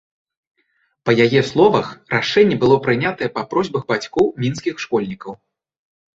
Па яе словах, рашэнне было прынятае па просьбах бацькоў мінскіх школьнікаў.